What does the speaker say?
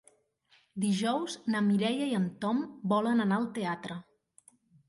Dijous na Mireia i en Tom volen anar al teatre.